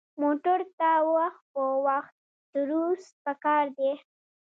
موټر ته وخت په وخت سروس پکار دی.